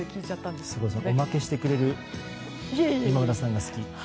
おまけしてくれる今村さんが好き。